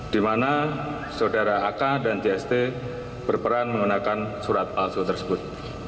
di mana saudara ak dan jst berperan menggunakan surat palsu tersebut